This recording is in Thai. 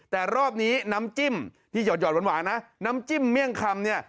แต่รอบนี้น้ำจิ้มที่หอดหวานนะน้ำจิ้มเมี่ยงคำเนี่ย